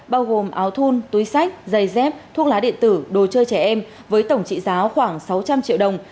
bao gồm áo thun túi sách giày dép thuốc lá điện tử đồ chơi trẻ em với tổng trị giá khoảng sáu trăm linh triệu đồng